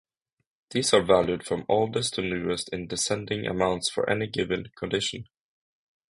These are valued from oldest to newest in descending amounts for any given condition.